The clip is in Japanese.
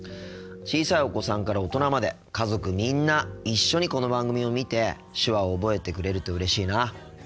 小さいお子さんから大人まで家族みんな一緒にこの番組を見て手話を覚えてくれるとうれしいな。